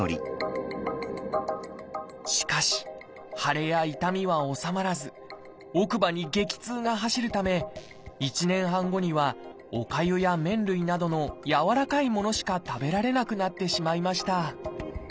しかし腫れや痛みは治まらず奥歯に激痛が走るため１年半後にはおかゆや麺類などのやわらかいものしか食べられなくなってしまいました